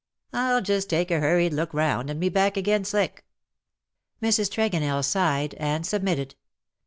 Til just take a hurried look round and be back again slick.^'' Mrs. Tregonell sighed and submitted.